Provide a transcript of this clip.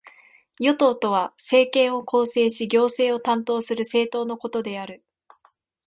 与党とは、政権を構成し行政を担当する政党のことである。